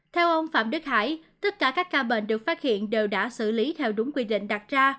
theo ông phạm đức hải tất cả các ca bệnh được phát hiện đều đã xử lý theo đúng quy định đặt ra